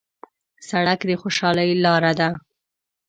سړک د خوشحالۍ لاره ده.